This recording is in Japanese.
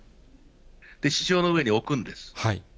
で、支承の上に置くんです。